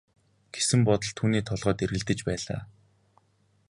гэсэн бодол түүний толгойд эргэлдэж байлаа.